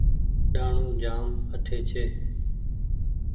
ڏآڻو جآم اٺي ڇي۔